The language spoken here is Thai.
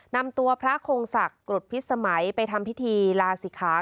นำตัวพระคงศักดิ์กรดพิษสมัยไปทำพิธีลาศิขา